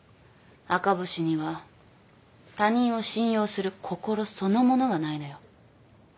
赤星には他人を信用する心そのものがないのよ。